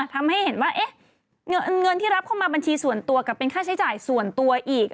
ทำให้เห็นว่าเงินที่รับเข้ามาบัญชีส่วนตัวกับเป็นค่าใช้จ่ายส่วนตัวอีก